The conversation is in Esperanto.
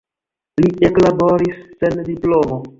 Li eklaboris sen diplomo.